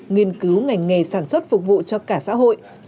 nghiên cứu ngành nghề sản xuất phục vụ cho cả xã hội